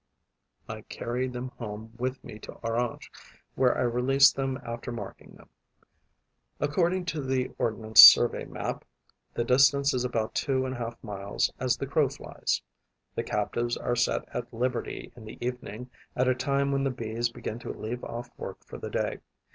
I carry them home with me to Orange, where I release them after marking them. According to the ordnance survey map, the distance is about two and a half miles as the crow flies. The captives are set at liberty in the evening, at a time when the Bees begin to leave off work for the day.